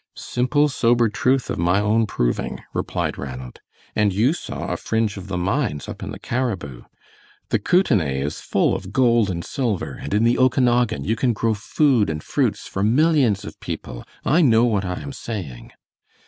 "Simple, sober truth of my own proving," replied Ranald. "And you saw a fringe of the mines up in the Cariboo. The Kootenai is full of gold and silver, and in the Okanagan you can grow food and fruits for millions of people. I know what I am saying."